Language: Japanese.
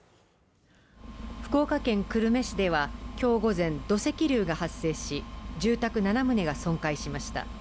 福岡県久留米市では今日午前土石流が発生し、住宅７棟が損壊しました。